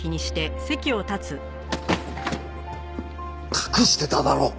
隠してただろう！